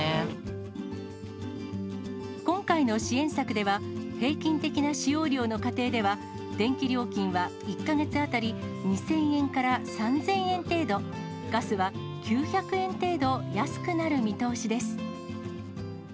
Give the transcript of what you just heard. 今回の支援策では、平均的な使用量の家庭では、電気料金は１か月当たり２０００円から３０００円程度、ガスは９００円程度安くなる見通しです。